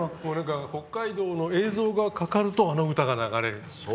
北海道の映像が流れるとあの歌が流れる。